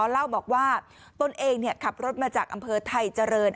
เล่าบอกว่าตนเองขับรถมาจากอำเภอไทยเจริญ